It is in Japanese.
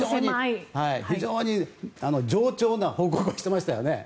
非常に冗長な報告をしていましたよね。